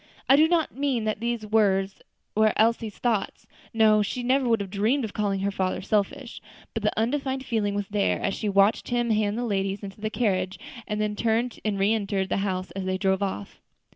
I do not mean that these were Elsie's thoughts; no, she never would have dreamed of calling her father selfish; but the undefined feeling was there, as she watched him hand the ladies into the carriage, and then turn and reenter the house as they drove off.